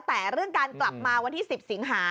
แต่เรื่องการกลับมาวันที่๑๐สิงหา